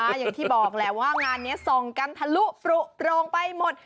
อย่างที่บอกแหละว่างานนี้ส่องกันทะลุปรุโปรงไปหมด